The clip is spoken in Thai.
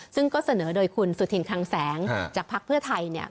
ซึ่งก็เสนอโดยคุณสุธินคังแสงจากภักดิ์เพื่อไทยเนี่ย